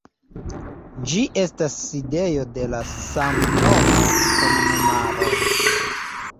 Ĝi estas sidejo de la samnoma komunumaro.